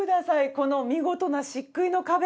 この見事な漆喰の壁。